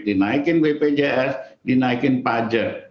dinaikkan bpjs dinaikkan pajak